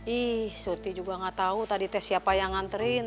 ih surti juga gak tau tadi teh siapa yang nganterin